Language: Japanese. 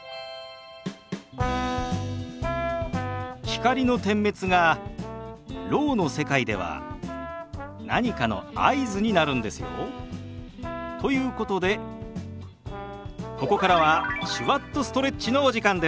光の点滅がろうの世界では何かの合図になるんですよ。ということでここからは「手話っとストレッチ」のお時間です。